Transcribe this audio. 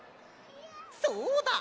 そうだ！